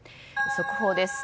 速報です。